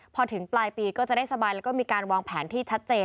พอถึงปลายปีก็จะได้สบายแล้วก็มีการวางแผนที่ชัดเจน